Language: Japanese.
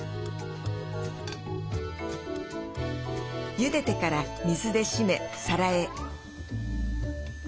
ゆでてから水で締め皿へ。